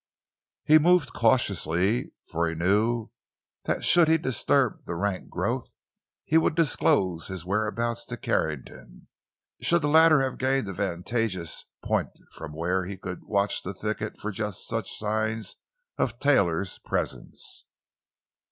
He moved cautiously, for he knew that should he disturb the rank growth he would disclose his whereabouts to Carrington, should the latter have gained a vantageous point from where he could watch the thicket for just such signs of Taylor's presence.